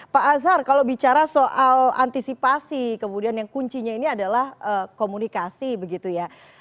pak azhar kalau bicara soal antisipasi kemudian yang kuncinya ini adalah komunikasi begitu ya